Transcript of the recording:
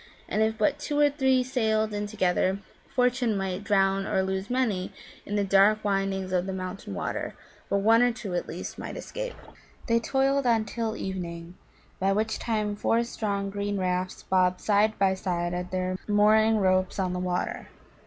And if but two or three sailed in together, Fortune might drown or lose many in the dark windings of the mountain water, but one or two at least might escape. They toiled on till evening, by which time four strong green rafts bobbed side by side at their mooring ropes on the water.